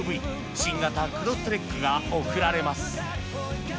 新型クロストレックが贈られます